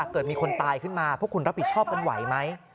เกิดมีคนตายขึ้นมาพวกคุณรับผิดชอบกันไหวไหม